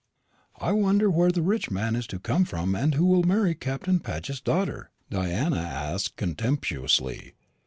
"I wonder where the rich man is to come from who will marry Captain Paget's daughter?" Diana asked contemptuously.